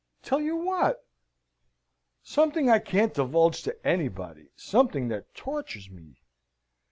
"Tell you what?" "Something I can't divulge to anybody, something that tortures me!"